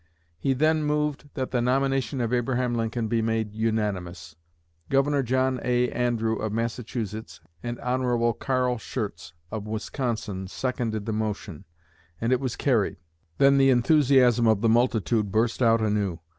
He then moved that the nomination of Abraham Lincoln be made unanimous. Governor John A. Andrew of Massachusetts and Hon. Carl Schurz of Wisconsin seconded the motion, and it was carried. Then the enthusiasm of the multitude burst out anew.